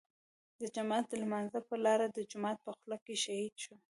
د جماعت د لمانځه پر لار د جومات په خوله کې شهيد شو.